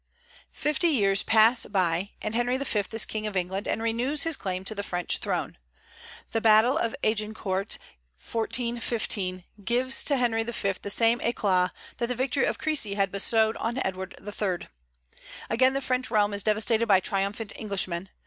Fifty years pass by, and Henry V. is king of England, and renews his claim to the French throne. The battle of Agincourt (1415) gives to Henry V. the same éclat that the victory of Crécy had bestowed on Edward III. Again the French realm is devastated by triumphant Englishmen.